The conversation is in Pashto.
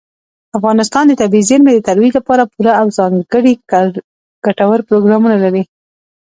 افغانستان د طبیعي زیرمې د ترویج لپاره پوره او ځانګړي ګټور پروګرامونه لري.